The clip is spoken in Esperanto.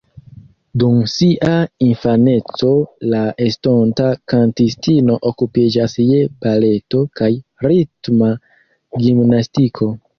Dum sia infaneco la estonta kantistino okupiĝas je baleto kaj ritma gimnastiko.